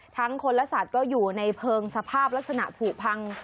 คนและสัตว์ก็อยู่ในเพลิงสภาพลักษณะผูพัง